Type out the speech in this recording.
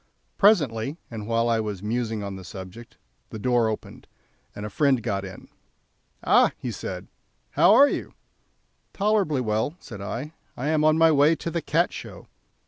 Presently, and while I was musing on the subject, the door was opened, and a friend got in. "Ah!" said he, "how are you?" "Tolerably well," said I; "I am on my way to the Cat Show."